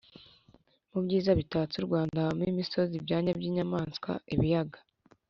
mu byiza bitatse u rwanda habamo imisozi, ibyanya by’inyamaswa, ibiyaga,